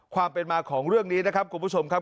ความเป็นมาของเรื่องนี้นะครับคุณผู้ชมครับ